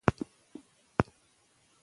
که سوله وي نو بهار وي.